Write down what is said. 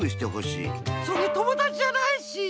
それ友だちじゃないし！